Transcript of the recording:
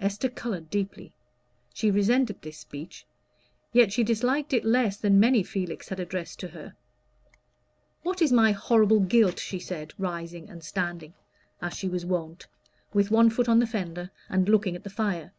Esther colored deeply: she resented this speech, yet she disliked it less than many Felix had addressed to her. "What is my horrible guilt?" she said, rising and standing, as she was wont, with one foot on the fender, and looking at the fire.